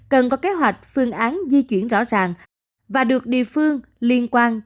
cần có kế hoạch phương án di chuyển rõ ràng và được địa phương liên quan